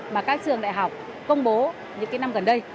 mà các trường đại học công bố những năm gần đây